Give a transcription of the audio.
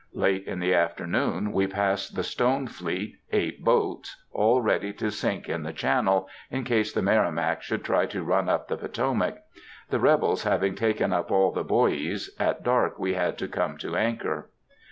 Late in the afternoon we passed the "stone fleet," eight boats, all ready to sink in the channel, in case the Merrimack should try to run up the Potomac. The rebels having taken up all the buoys, at dark we had to come to anchor.